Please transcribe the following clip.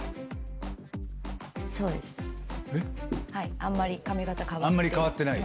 あんまり髪形変わっていません。